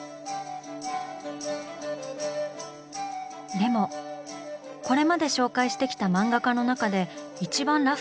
でもこれまで紹介してきた漫画家の中で一番ラフなネームかも。